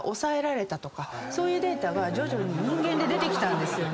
そういうデータが徐々に人間で出てきたんですよね。